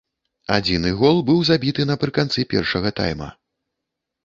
Адзіны гол быў забіты напрыканцы першага тайма.